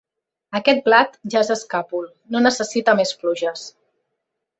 Aquest blat ja és escàpol: no necessita més pluges.